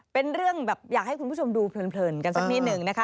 เป็นเรื่องแบบอยากให้คุณผู้ชมดูเพลินกันสักนิดนึงนะคะ